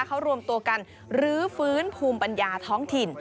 เขารวมตัวกันรื้อฟื้นภูมิปัญญาท้องถิ่น